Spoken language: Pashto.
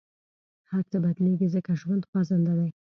هر څه بدلېږي، ځکه ژوند خوځنده دی.